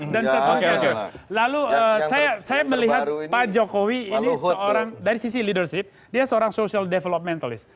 dan saya melihat pak jokowi ini seorang dari sisi leadership dia seorang social developmentalist